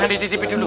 jangan dicicipi dulu